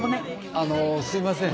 あのすいません